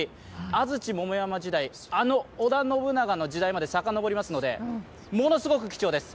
安土桃山時代、あの織田信長の時代までさかのぼりますのでものすごく貴重です！